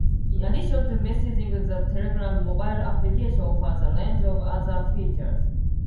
In addition to messaging, the Telegram mobile application offers a range of other features.